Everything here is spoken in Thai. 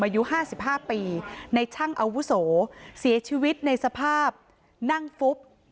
มายุห้าสิบห้าปีในช่างอาวุโสเสียชีวิตในสภาพนั่งฟุบ